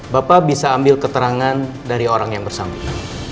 bapak bisa ambil keterangan dari orang yang bersangkutan